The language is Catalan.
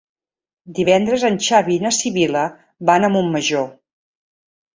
Divendres en Xavi i na Sibil·la van a Montmajor.